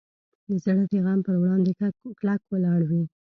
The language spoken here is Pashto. زړه د غم پر وړاندې کلک ولاړ وي.